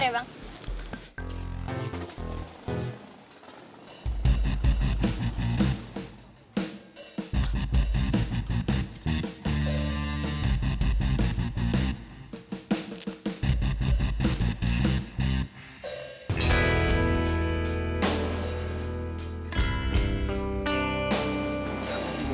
kita ingin makan siapa